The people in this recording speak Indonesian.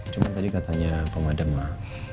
cuman tadi katanya pemadam mbak